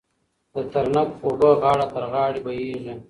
د ترنګ اوبه غاړه تر غاړې بهېږي.